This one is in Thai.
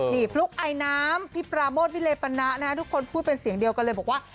นี่ฟลุ๊กไอน้ำพี่ปราโมทวิเลปณะนะทุกคนพูดเป็นเสียงเดียวกันเลยบอกว่า